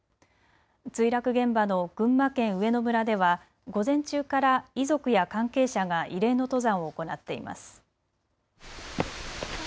墜落現場の群馬県上野村では午前中から遺族や関係者が慰霊の登山を行っています。